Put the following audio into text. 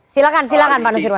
silakan silakan pak nuzirwan